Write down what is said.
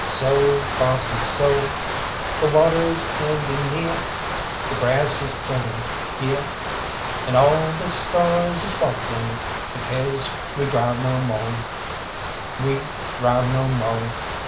"Soh, Bossie, soh! The water's handy neah, The grass is plenty heah, An' all the stars a sparkle Bekase we drive no mo' We drive no mo'!